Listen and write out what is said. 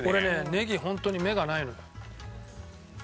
ネギホントに目がないのよ。